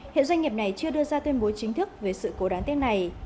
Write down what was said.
hiện doanh nghiệp này chưa đưa ra tuyên bố chính thức về sự cố đáng tiếc này